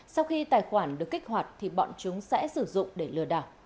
sau khi tài khoản được kích hoạt thì bọn chúng sẽ sử dụng để lừa đảo